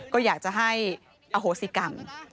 ก็อยากจะให้อโหสิกรรม